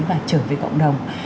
và trở về cộng đồng